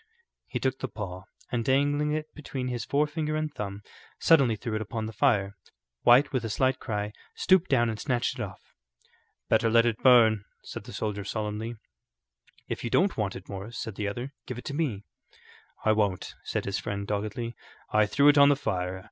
He took the paw, and dangling it between his forefinger and thumb, suddenly threw it upon the fire. White, with a slight cry, stooped down and snatched it off. "Better let it burn," said the soldier, solemnly. "If you don't want it, Morris," said the other, "give it to me." "I won't," said his friend, doggedly. "I threw it on the fire.